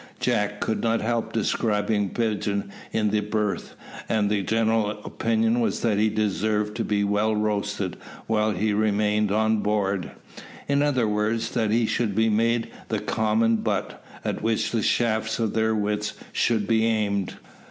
Jack could not help describing Pigeon in the berth, and the general opinion was that he deserved to be well roasted while he remained on board in other words, that he should be made the common butt, at which the shafts of their wits should be aimed.